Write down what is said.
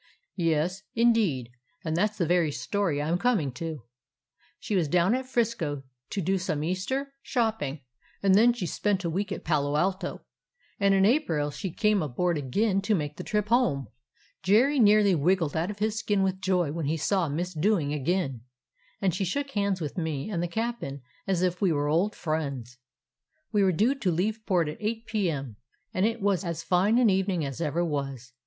"Yes, indeed, and that 's the very story I 'm coming to. "She was down at 'Frisco to do some Easter 223 DOG HEROES OF MANY LANDS shopping, and then she spent a week at Palo Alto; and in April she came aboard again to make the trip home. Jerry nearly wriggled out of his skin with joy when he saw Miss Dewing again; and she shook hands with me and the cap'n as if we were old friends. "We were due to leave port at 8 p.m., and it was as fine an evening as ever was.